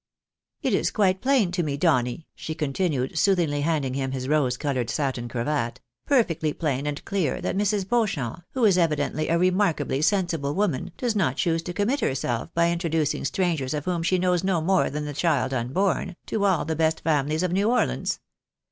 "It is quite plain to me, Donny," she continued, soothingly handing him his rose coloured satin cravat, " perfectly plain and clear that Mrs. Beauchamp, who is evidently a remarkably sensible woman, does not choose to commit herself by introducing strangers of whom she knows no more than the child unborn, to all the best families of New Orleans.